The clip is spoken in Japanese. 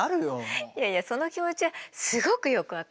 いやいやその気持ちはすごくよく分かる。